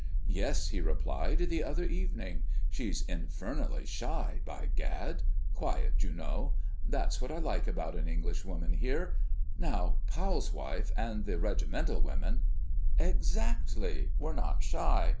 "Yes," he replied, "the other evening. She's infernally shy, by Gad! Quiet, you know. That's what I like about an Englishwoman here. Now, Powell's wife, and the regimental women " "Exactly; were not shy.